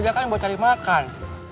kita kerjakan buat cari makan